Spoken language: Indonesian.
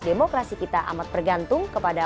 demokrasi kita amat bergantung kepada